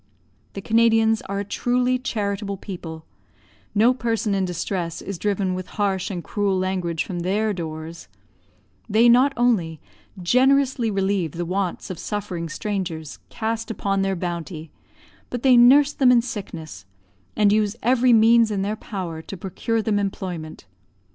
The Canadians are a truly charitable people; no person in distress is driven with harsh and cruel language from their doors; they not only generously relieve the wants of suffering strangers cast upon their bounty, but they nurse them in sickness, and use every means in their power to procure them employment.